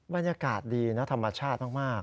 บรรยากาศดีนะธรรมชาติมาก